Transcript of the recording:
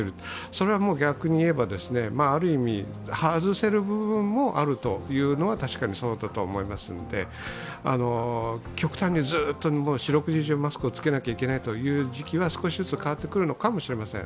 それは逆に言えば、ある意味、外せる部分もあるというのは確かにそうだと思いますので、極端にずっと、四六時中、マスクを着けなきゃいけないという時期は少しずつ変わってくるのかもしれません。